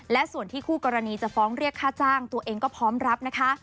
และส่วนที่คู่กรณีจะฟ้องเรียกค่าจ้างตัวเองก็พร้อมรับนะคะ